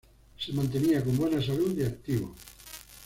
Se mantenía con buena salud y activo.